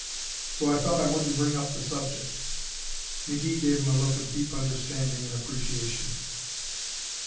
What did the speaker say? So I thought I wouldn't bring up the subject." McGee gave him a look of deep understanding and appreciation.